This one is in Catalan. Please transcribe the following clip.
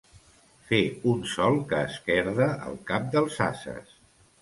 Fer un sol que esquerda el cap dels ases.